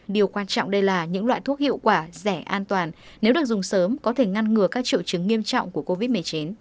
điều quan trọng đây là những loại thuốc hiệu quả rẻ an toàn nếu được dùng sớm có thể ngăn ngừa các triệu chứng nghiêm trọng của covid một mươi chín